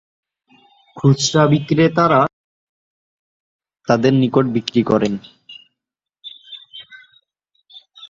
খুচরা বিক্রেতারা সেগুলো শেষপর্যন্ত ভোক্তাদের নিকট বিক্রি করেন।